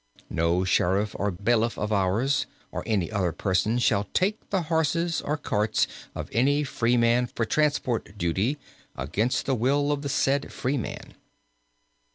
"No sheriff or bailiff of ours, or any other person shall take the horses or carts of any freeman for transport duty, against the will of the said freeman.